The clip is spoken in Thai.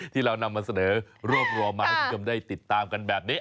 ที่เรานำมาเสนอรวบรวมมาให้คุณผู้ชมได้ติดตามกันแบบนี้